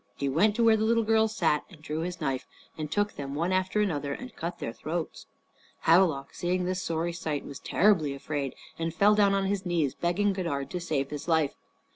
He went to where the little girls sat, and drew his knife, and took them one after another and cut their throats. Havelok, seeing this sorry sight, was terribly afraid, and fell down on his knees begging Godard to spare his life.